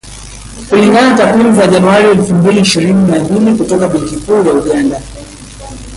Kulingana na takwimu za Januari elfu mbili ishirini na mbili kutoka Benki Kuu ya Uganda